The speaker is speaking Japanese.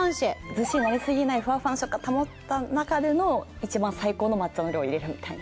ずっしりになりすぎないふわふわの食感を保った中での一番最高の抹茶の量を入れるみたいな。